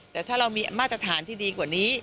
แต่ถ้าเรามีมาตรฐานที่ดีกว่านี้